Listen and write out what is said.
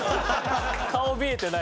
顔見えてない。